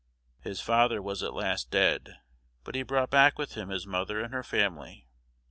His father was at last dead; but he brought back with him his mother and her family.